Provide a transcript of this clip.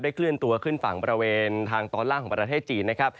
เคลื่อนตัวขึ้นฝั่งบริเวณทางตอนล่างของประเทศจีนนะครับ